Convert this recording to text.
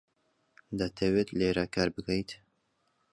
دەتەوێت لێرە کار بکەیت؟